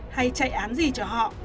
hay chạy án gì cho họ